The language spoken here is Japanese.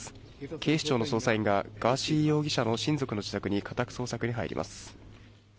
警視庁の捜査員がガーシー容疑者の親族の自宅に家宅捜索に入ります。